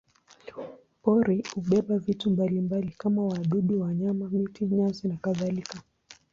Pori hubeba vitu mbalimbali kama wadudu, wanyama, miti, nyasi nakadhalika.